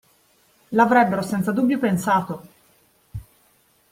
L'avrebbero senza dubbio pensato!